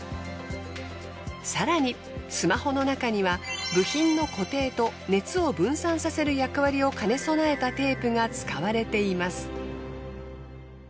更にスマホの中には部品の固定と熱を分散させる役割を兼ね備えたテープが使われています。